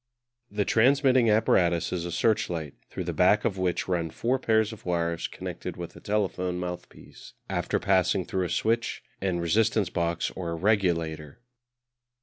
The transmitting apparatus is a searchlight, through the back of which run four pairs of wires connected with a telephone mouthpiece after passing through a switch and resistance box or regulator.